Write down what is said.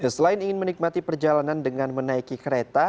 selain ingin menikmati perjalanan dengan menaiki kereta